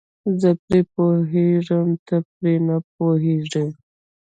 زه پرې پوهېږم ته پرې نه پوهیږې.